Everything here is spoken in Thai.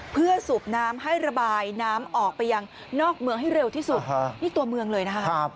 เพื่อสูบน้ำให้ระบายน้ำออกไปยังนอกเมืองให้เร็วที่สุดนี่ตัวเมืองเลยนะคะ